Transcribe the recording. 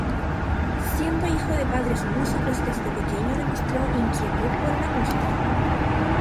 Siendo hijo de padres músicos desde pequeño demostró inquietud por la música.